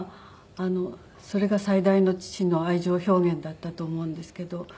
それが最大の父の愛情表現だったと思うんですけど。